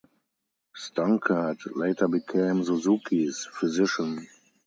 Stunkard later became Suzuki's physician.